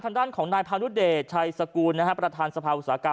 ทำด้านของนายพาณุเดชร์ชายสกูลประทานสภาวิศากรรม